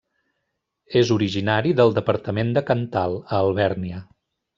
És originari del departament de Cantal, a Alvèrnia.